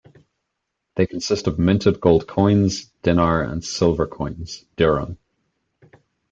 They consist of minted gold coins, dinar, and silver coins, dirham.